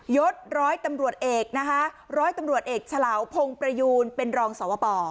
ยศร้อยตำรวจเอกนะคะร้อยตำรวจเอกเฉลาวพงประยูนเป็นรองสวป